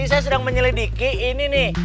saya sedang menyelidiki ini nih